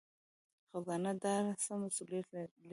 خزانه دار څه مسوولیت لري؟